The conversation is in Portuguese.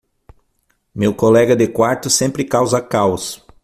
Meu colega de quarto sempre causa caos.